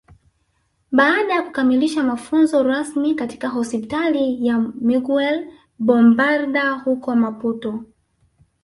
Baada ya kukamilisha mafunzo rasmi katika Hospitali ya Miguel Bombarda huko Maputo